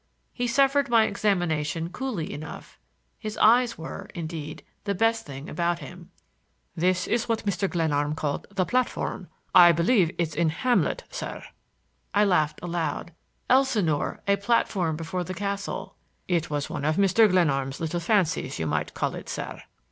He suffered my examination coolly enough; his eyes were, indeed, the best thing about him. "This is what Mr. Glenarm called the platform. I believe it's in Hamlet, sir." I laughed aloud. "Elsinore: A Platform Before the Castle." "It was one of Mr. Glenarm's little fancies, you might call it, sir."